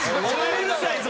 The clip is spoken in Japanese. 「うるさいぞ！」